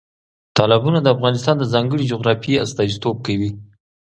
تالابونه د افغانستان د ځانګړې جغرافیې استازیتوب کوي.